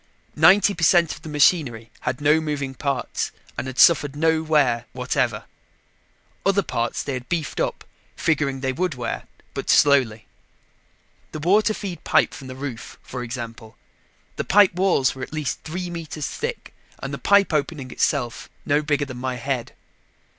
Ninety per cent of the machinery had no moving parts and had suffered no wear whatever. Other parts they had beefed up, figuring they would wear, but slowly. The water feed pipe from the roof, for example. The pipe walls were at least three meters thick and the pipe opening itself no bigger than my head.